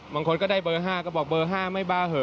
บางคนก็ได้เบอร์๕ก็บอกเบอร์๕ไม่บ้าเหอ